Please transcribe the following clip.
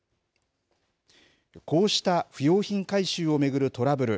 こうした不用品回収を巡るトラブル